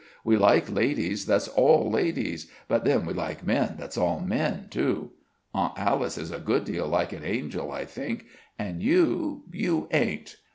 We like ladies that's all ladies, but then we like men that's all men, too. Aunt Alice is a good deal like an angel, I think, and you you ain't.